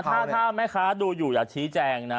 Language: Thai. ถ้าแม่ค้าดูอยู่อยากชี้แจงนะ